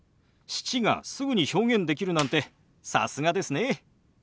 「７」がすぐに表現できるなんてさすがですね。